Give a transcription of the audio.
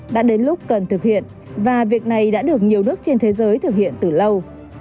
đã đến lúc cần thực hiện và việc này đã được nhiều nước trên thế giới thực hiện từ lâu